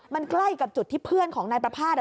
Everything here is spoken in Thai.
มันใกล้กับจุดที่เพื่อนของนายประภาษณ์